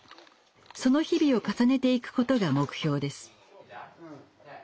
その日々を重ねていくことが目標です。